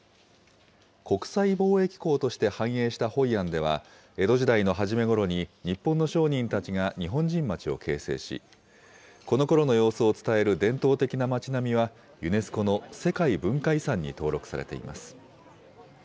国際貿易港として繁栄したホイアンでは、江戸時代の初めごろに、日本の商人たちが日本人町を形成し、このころの様子を伝える伝統的な町並みは、ユネスコの世界文化遺産に登録されています。